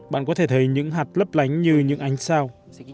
bạn có thể thấy những hạt lấp lánh như những ánh sao